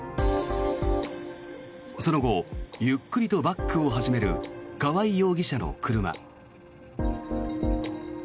その後ゆっくりとバックを始める川合容疑者の車。